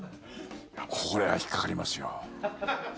これは引っかかりますよ。